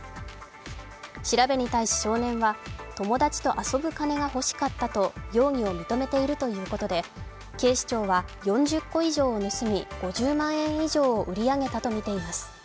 調べに対し少年は、友達と遊ぶ金がほしかったと容疑を認めているということで、警視庁は４０個以上を盗み５０万円以上を売り上げたとみています。